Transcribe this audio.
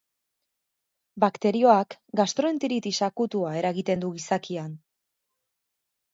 Bakterioak gastroenteritis akutua eragiten du gizakian.